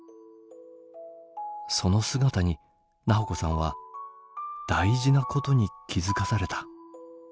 その姿に菜穂子さんは大事なことに気付かされた。